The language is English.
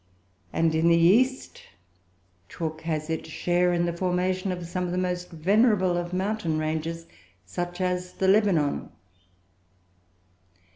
And, in the East, chalk has its share in the formation of some of the most venerable of mountain ranges, such as the Lebanon.